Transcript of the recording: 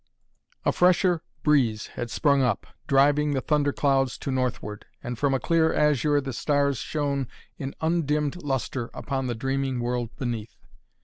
A fresher breeze had sprung up, driving the thunderclouds to northward, and from a clear azure the stars shone in undimmed lustre upon the dreaming world beneath.